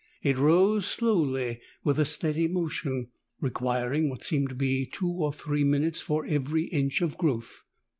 It rose slowly with a steady motion, requiring what seemed to be two or three minutes for every inch of growth.